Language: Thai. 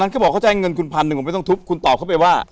เขาบอกเขาจะให้เงินคุณพันหนึ่งผมไม่ต้องทุบคุณตอบเข้าไปว่า